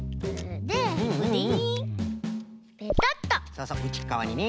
そうそううちっかわにね。